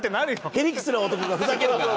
屁理屈な男がふざけるから。